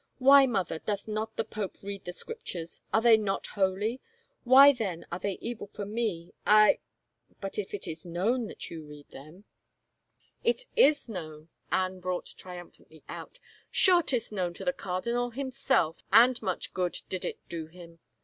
'* Why, mother, doth not the pope read the Scriptures ? Are they not holy ? Why then are they evil for me ? I —"" But if it is known that you read them —"" It is known," Anne brought triumphantly out. " Sure, 'tis known to the cardinal himself, and much good did it do him